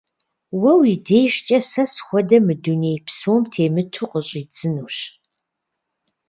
Уэ уи дежкӀэ сэ схуэдэ мы дуней псом темыту къыщӀидзынущ.